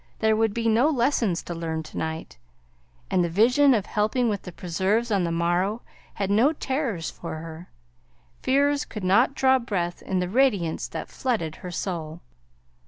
There would be no lessons to learn to night, and the vision of helping with the preserves on the morrow had no terrors for her fears could not draw breath in the radiance that flooded her soul.